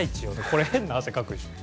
これ変な汗かくでしょ？